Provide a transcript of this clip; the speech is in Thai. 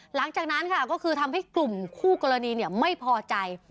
หลังจากนั้นค่ะก็คือทำให้กลุ่มคู่กรณีไม่พอใจ